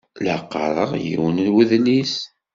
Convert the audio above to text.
La qqareɣ yiwen n wedlis.